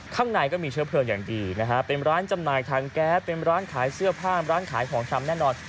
ข้างในก็มีเชื้อเพลิงอย่างดีนะฮะเป็นร้านจำหน่ายทางแก๊สเป็นร้านขายเสื้อผ้าร้านขายของชำแน่นอน